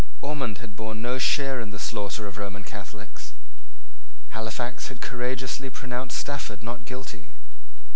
Ormond had borne no share in the slaughter of Roman Catholics. Halifax had courageously pronounced Stafford not guilty.